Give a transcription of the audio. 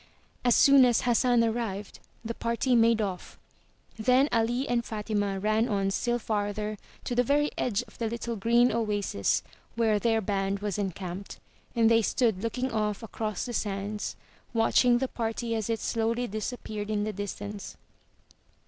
As soon as Hassan arrived, the party made off. Then Ali and Fatima ran on still farther, to the very edge of the little green oasis where their band was encamped, and they stood looking off across the sands, watching the party as it slowly disappeared in the distance.